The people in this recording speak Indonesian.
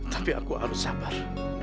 tapi aku harus sabar